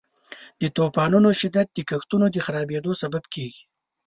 د طوفانونو شدت د کښتونو د خرابیدو سبب کیږي.